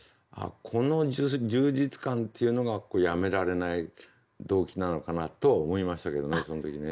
この充実感っていうのがやめられない動機なのかなとは思いましたけどねその時ね。